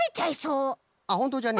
あっほんとじゃね。